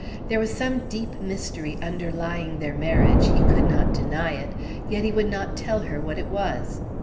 There was some deep mystery underlying their marriage, he could not deny it, yet he would not tell her what it was.